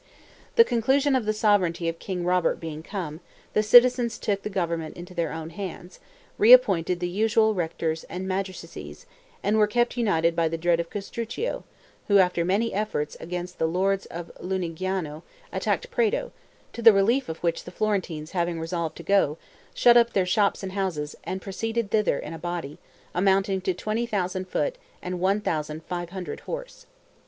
The conclusion of the sovereignty of King Robert being come, the citizens took the government into their own hands, reappointed the usual rectors and magistracies, and were kept united by the dread of Castruccio, who, after many efforts against the lords of Lunigiano, attacked Prato, to the relief of which the Florentines having resolved to go, shut up their shops and houses, and proceeded thither in a body, amounting to twenty thousand foot and one thousand five hundred horse.